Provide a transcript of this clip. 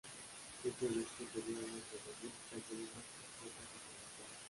Este disco tenía unas melodías y canciones más complejas y trabajadas.